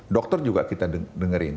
dokter juga kita dengerin